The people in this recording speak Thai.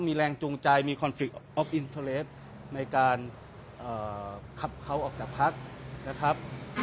มีแรงจูงใจมีในการเอ่อขับเขาออกจากพักนะครับ